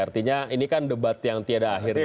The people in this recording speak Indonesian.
artinya ini kan debat yang tiada akhirnya